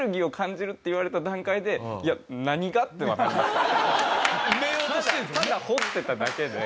ただ掘ってただけで。